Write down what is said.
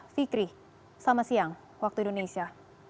fikri selamat siang waktu indonesia